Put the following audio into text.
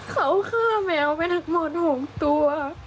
เขาฆ่าแมวไปทั้งหมด๖ตัว